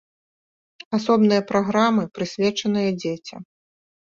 Асобныя праграмы прысвечаныя дзецям.